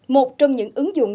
một trong những ứng dụng